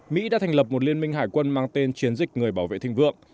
mỹ đã thành lập một liên minh hải quân mang tên chiến dịch người bảo vệ thịnh vượng